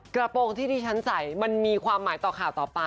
กระโปรงที่ที่ฉันใส่มันมีความหมายต่อข่าวต่อไป